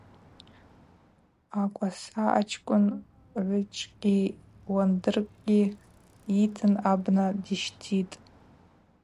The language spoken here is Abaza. Акваса ачкӏвын гӏвычвкӏи уандыркӏи йыйтын абна дищтитӏ.